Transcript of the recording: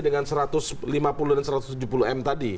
dengan satu ratus lima puluh dan satu ratus tujuh puluh m tadi